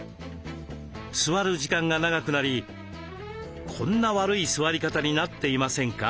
座る時間が長くなりこんな悪い座り方になっていませんか？